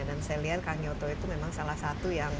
dan saya lihat kak nyoto itu memang salah satu yang